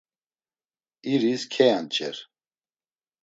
İris keyanç̌er.